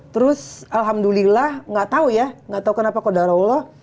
terus alhamdulillah nggak tau ya nggak tau kenapa kodara allah